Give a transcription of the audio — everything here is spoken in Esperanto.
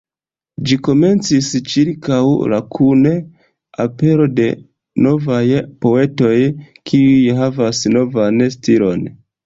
Ĝi komencis ĉirkaŭ la kun apero de novaj poetoj kiuj havas novan stilon.